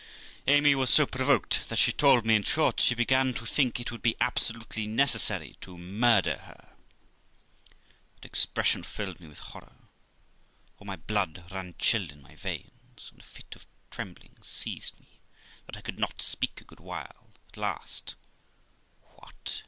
Amy was so provoked, that she told me, in short, she began to think it would be absolutely necessary to murder her. That expression filled me with horror, all my blood ran chill in my veins, and a fit of trembling seized me, that I could not speak a good while; at last, 'What?